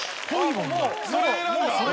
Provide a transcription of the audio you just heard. それ選んだ。